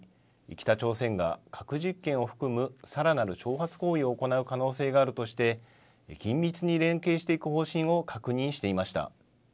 北朝鮮が核実験を含むさらなる挑発行為を行う可能性があるとして緊密に連携していく方針を確認していました。